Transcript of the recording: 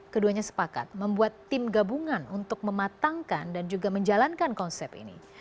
keduanya sepakat membuat tim gabungan untuk mematangkan dan juga menjalankan konsep ini